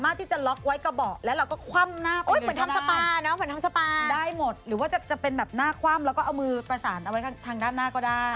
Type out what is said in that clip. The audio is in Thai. เราก็คว่ำหน้าไปเลยก็ได้ได้หมดหรือว่าจะเป็นหน้าคว่ำแล้วก็เอามือประสานเอาไว้ทางด้านหน้าก็ได้